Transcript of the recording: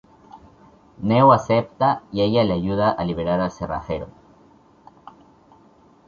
Neo acepta y ella les ayuda a liberar al Cerrajero.